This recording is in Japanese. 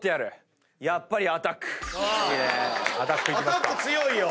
アタック強いよ。